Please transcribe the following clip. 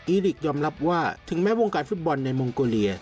ลิกยอมรับว่าถึงแม้วงการฟุตบอลในมองโกเลีย